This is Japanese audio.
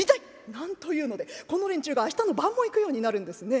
なんというのでこの連中が明日の晩も行くようになるんですね。